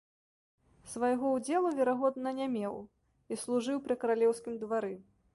Свайго ўдзелу, верагодна, не меў і служыў пры каралеўскім двары.